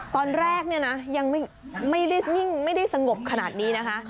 ตอนแรกยังไม่ได้สงบขนาดนี้นะคะ